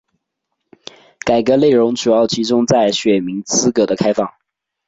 改革内容主要集中在选民资格的开放。